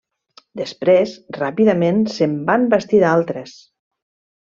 Després, ràpidament se'n van bastir d'altres.